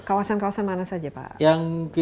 kawasan kawasan mana saja pak